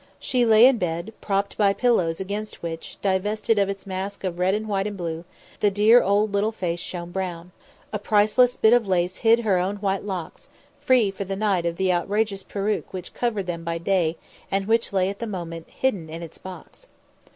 She lay in bed, propped by pillows against which, divested of its mask of red and white and blue, the dear little old face shone brown. A priceless bit of lace hid her own white locks, free for the night of the outrageous perruque which covered them by day and which lay at the moment hidden in its box.